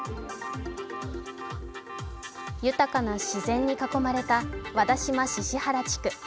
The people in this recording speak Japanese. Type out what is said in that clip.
豊かな自然に囲まれた和田島・宍原地区。